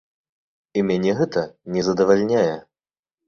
І мяне гэта не задавальняе.